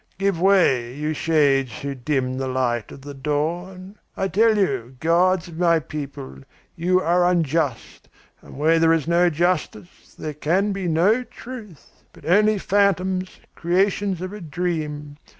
Give way, you shades who dim the light of the dawn! I tell you, gods of my people, you are unjust, and where there is no justice there can be no truth, but only phantoms, creations of a dream.